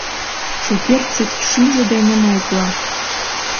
Шукертсек шӱмжӧ дене маитла.